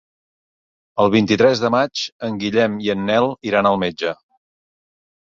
El vint-i-tres de maig en Guillem i en Nel iran al metge.